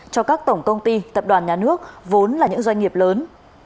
cho các tổng công ty tập đoàn nhà nước vốn là những doanh nghiệp lớn